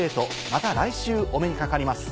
また来週お目にかかります。